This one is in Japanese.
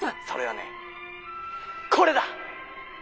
「それはねこれだ！」。